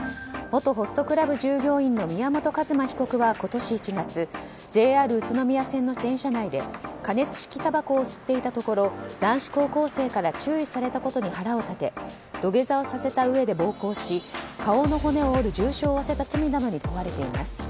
元ホストクラブ従業員の宮本一馬被告は今年１月、ＪＲ宇都宮線の電車内で加熱式たばこを吸っていたところ男子高校生から注意されたことに腹を立てて土下座をさせたうえで暴行し顔の骨を折る重傷を負わせた罪などに問われています。